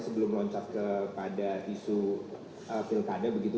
sebelum loncat kepada isu pilkada begitu